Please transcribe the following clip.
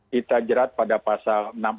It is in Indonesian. kita jerat pada pasal enam puluh empat